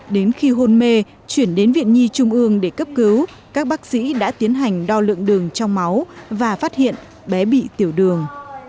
đến khi hôn mê chuyển đến viện nhi trung ương để cấp cứu các bác sĩ đã tiến hành đo lượng đường trong máu và phát hiện bé bị tiểu đường